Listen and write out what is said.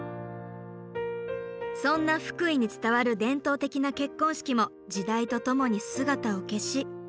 そんな福井に伝わる伝統的な結婚式も時代とともに姿を消し。